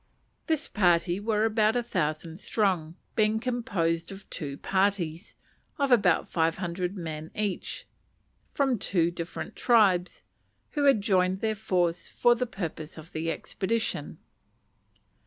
This party were about a thousand strong, being composed of two parties, of about five hundred men each, from two different tribes, who had joined their force for the purpose of the expedition.